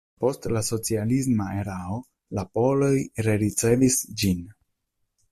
Post la socialisma erao la poloj rericevis ĝin.